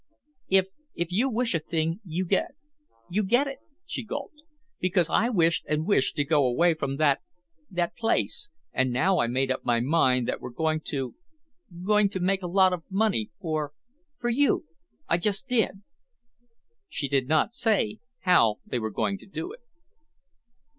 "If—if you wish a thing—you—you get—you get it," she gulped. "Because I wished and wished to go away from that—that place—and now I made up my mind that we're going to—going to—make a lot of money for—for you—I just did—" She did not say how they were going to do it....